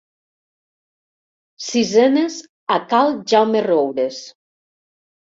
Sisenes a cal Jaume Roures.